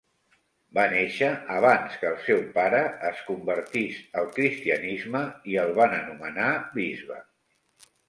Va néixer abans que el seu pare es convertís al cristianisme i el van anomenar bisbe.